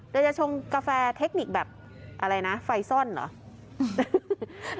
จะชงกาแฟเทคนิคแบบอะไรนะไฟซ่อนเหรอ